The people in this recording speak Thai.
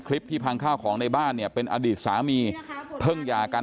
ที่พังข้าวของในบ้านเนี่ยเป็นอดีตสามีเพิ่งหย่ากัน